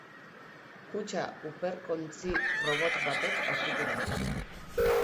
Kutxa urpekontzi-robot batek aurkitu du.